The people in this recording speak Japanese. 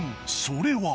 それは］